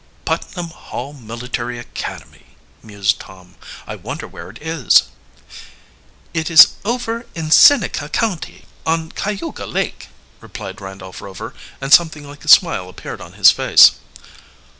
"Putnam Hall Military Academy!" mused Tom. "I wonder where it is?" "It is over in Seneca County, on Cayuga Lake," replied Randolph Rover, and something like a smile appeared on his face.